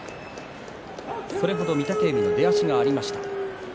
それだけ御嶽海の出足がありました。